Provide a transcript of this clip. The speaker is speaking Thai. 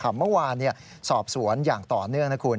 เมื่อวานสอบสวนอย่างต่อเนื่องนะคุณ